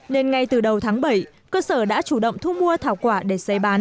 nên ngay từ đầu tháng bảy cơ sở đã chủ động thu mua thảo quả để xây bán